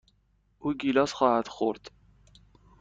او گیلاس خواهد خورد.